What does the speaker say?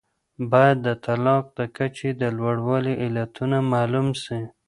باید د طلاق د کچې د لوړوالي علتونه معلوم سي.